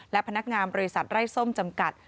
และพนักงานบริษัทไร้ส้มจำกัด